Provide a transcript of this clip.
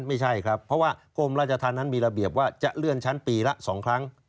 ไม่ใช่ครับเพราะว่ากรมราชธรรมนั้นมีระเบียบว่าจะเลื่อนชั้นปีละ๒ครั้ง